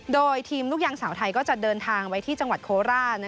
โดยทีมลูกยางสาวไทยก็จะเดินทางไปที่จังหวัดโคราช